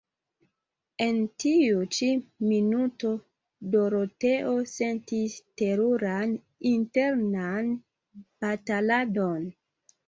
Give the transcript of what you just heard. En tiu ĉi minuto Doroteo sentis teruran internan bataladon.